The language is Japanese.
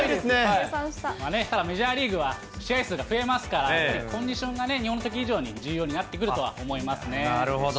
メジャーリーグは試合数が増えますから、コンディションが日本のとき以上に重要になってくるとは思いますなるほど。